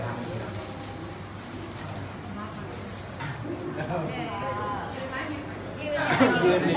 ก็คือเจ้าเม่าคืนนี้